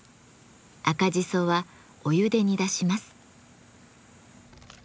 赤じそはお湯で煮出します。